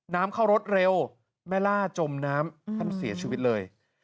น้ำเข้ารถเร็วแม่ล่าจมน้ำท่านเสียชีวิตเลย